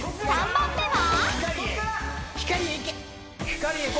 ［４番目は？］